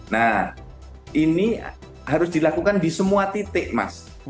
nah ini harus dilakukan di semua titik mas